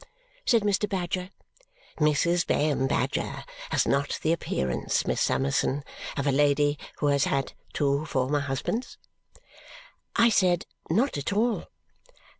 said Mr. Badger. "Mrs. Bayham Badger has not the appearance, Miss Summerson, of a lady who has had two former husbands?" I said "Not at all!"